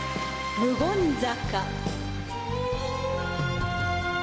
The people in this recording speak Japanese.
『無言坂』。